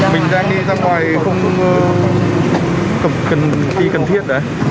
mình đang đi ra ngoài không cần thiết